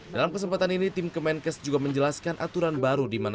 dalam kesempatan ini tim kemenkes juga menjelaskan aturan baru di mana